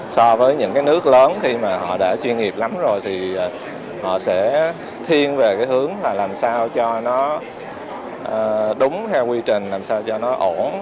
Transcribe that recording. so với những cái nước lớn khi mà họ đã chuyên nghiệp lắm rồi thì họ sẽ thiên về cái hướng là làm sao cho nó đúng theo quy trình làm sao cho nó ổn